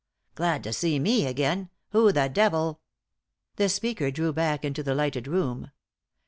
" Glad to see me again ? Who the devil " The speaker drew back into the lighted room.